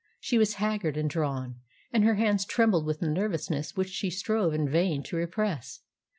She was haggard and drawn, and her hands trembled with nervousness which she strove in vain to repress.